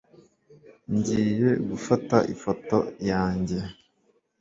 ngiye gufata ifoto yanjye